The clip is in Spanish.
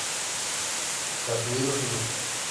Kazuhiro Suzuki